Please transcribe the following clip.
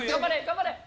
頑張れ！